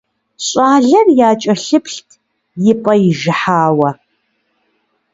Щӏалэр якӀэлъыплът и пӀэ ижыхьауэ.